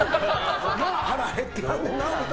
腹減ってはんねんなって。